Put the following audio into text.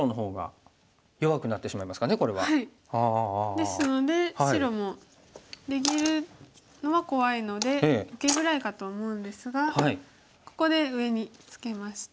ですので白も出切るのは怖いので受けぐらいかと思うんですがここで上にツケまして。